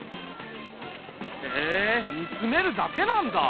へえ煮詰めるだけなんだ。